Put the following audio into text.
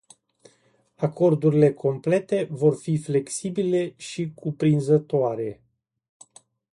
Acordurile complete vor fi flexibile și cuprinzătoare.